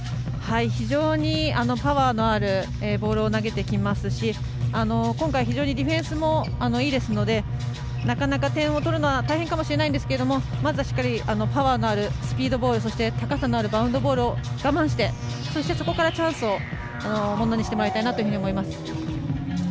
非常にパワーのあるボールを投げてきますし今回、非常にディフェンスもいいですのでなかなか、点を取るのは大変かもしれませんがまずはしっかりパワーのあるスピードボール高さのあるバウンドボールを我慢して、そしてそこからチャンスをものにしてほしいなと思います。